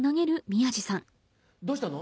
どうしたの？